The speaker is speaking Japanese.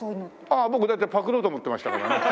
ああ僕だってパクろうと思ってましたからね。